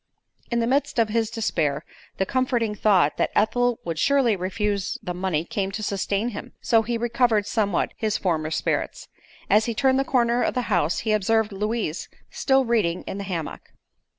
In the midst of his despair the comforting thought that Ethel would surely refuse the money came to sustain him; so he recovered somewhat his former spirits. As he turned the corner of the house he observed Louise still reading in the hammock.